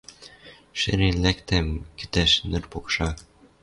Шӹрен лӓктӓм кӹтӓш ныр покшак.